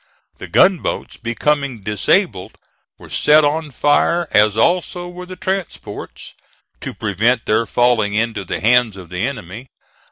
The gunboats becoming disabled were set on fire, as also were the transports, to prevent their falling into the hands of the enemy.